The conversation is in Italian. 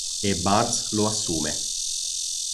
E Burns lo assume.